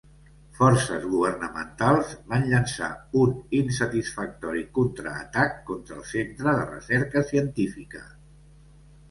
Forces governamentals van llançar un insatisfactori contra-atac contra el Centre de Recerca Científica.